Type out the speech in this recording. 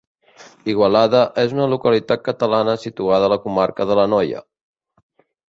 Igualada és una localitat catalana situada a la comarca de l'Anoia.